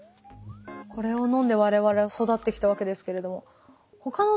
これを飲んで我々は育ってきたわけですけれども。